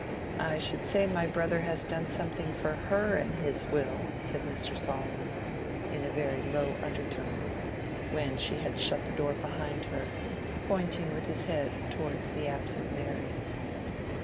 "I should say my brother has done something for her in his will," said Mr. Solomon, in a very low undertone, when she had shut the door behind her, pointing with his head towards the absent Mary.